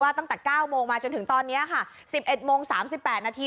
ว่าตั้งแต่เก้าโมงมาจนถึงตอนเนี้ยค่ะสิบเอ็ดโมงสามสิบแปดนาที